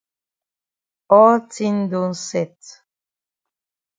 All tin don set.